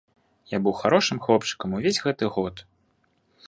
Я быў харошым хлопчыкам увесь гэты год!